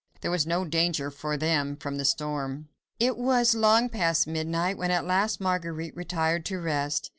There was no danger for them from the storm. It was long past midnight when at last Marguerite retired to rest.